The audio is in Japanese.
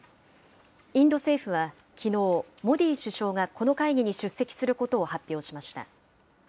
インド政府はきのう、モディ首相がこの会議に出席することを発表しました。